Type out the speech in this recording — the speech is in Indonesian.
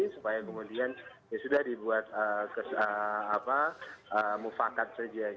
supaya kemudian ya sudah dibuat mufakat saja